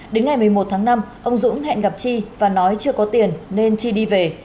đến ngày một mươi một tháng năm ông dũng hẹn gặp chi và nói chưa có tiền nên chi đi về